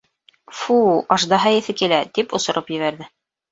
Фуу, аждаһа еҫе килә, тип осороп ебәрҙе.